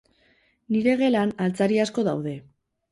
Nire gelan, altzari asko daude.